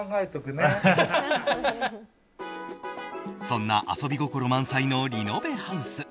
そんな遊び心満載のリノベハウス。